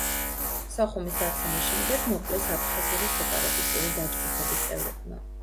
სოხუმის დაცემის შემდეგ მოკლეს აფხაზური სეპარატისტული დაჯგუფების წევრებმა.